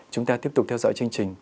chúng ta tiếp tục theo dõi chương trình